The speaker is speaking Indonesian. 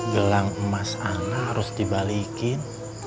gelang emas anak harus dibalikin